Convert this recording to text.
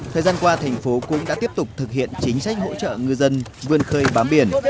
thời gian qua thành phố cũng đã tiếp tục thực hiện chính sách hỗ trợ ngư dân vươn khơi bám biển